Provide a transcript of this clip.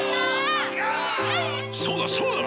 そうだそうだ！